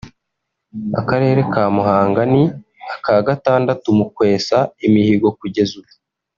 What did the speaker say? Akarere ka Muhanga ni aka gatandatu mu kwesa imihigo kugeza ubu